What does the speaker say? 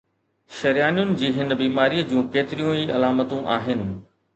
شريانن جي هن بيماريءَ جون ڪيتريون ئي علامتون آهن